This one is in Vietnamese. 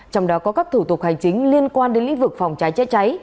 trong đó có các thủ tục hành chính liên quan đến lĩnh vực phòng cháy chữa cháy